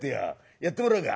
やってもらうか。